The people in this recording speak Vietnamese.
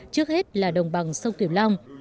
trước hết là đồng bằng sông kiều long